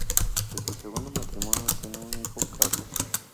De su segundo matrimonio, tiene un hijo: Carlos.